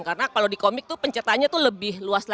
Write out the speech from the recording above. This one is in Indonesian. karena kalau di komik tuh pencertaannya tuh lebih luas gitu ya